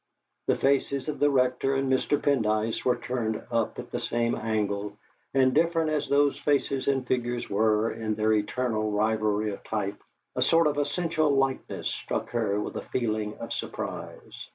The faces of the Rector and Mr. Pendyce were turned up at the same angle, and different as those faces and figures were in their eternal rivalry of type, a sort of essential likeness struck her with a feeling of surprise.